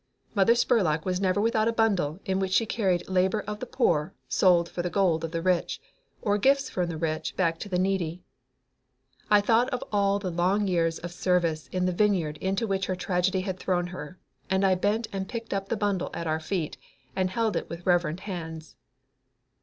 Mother Spurlock was never without a bundle in which she carried labor of the poor sold for the gold of the rich, or gifts from the rich back to the needy. I thought of all the long years of service in the vineyard into which her tragedy had thrown her, and I bent and picked up the bundle at our feet and held it with reverent hands.